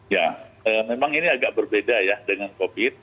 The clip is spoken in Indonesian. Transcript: ya memang ini agak berbeda ya dengan covid